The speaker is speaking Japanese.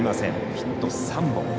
ヒット３本。